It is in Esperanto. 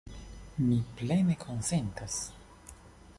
Mi plene konsentas!